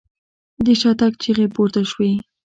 د شاته تګ چيغې پورته شوې.